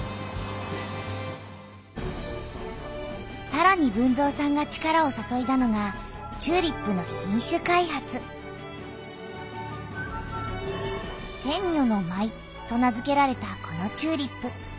さらに豊造さんが力を注いだのがチューリップの「天女の舞」と名づけられたこのチューリップ。